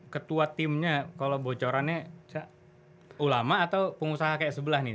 ketua timnya kalau bocorannya ulama atau pengusaha kayak sebelah nih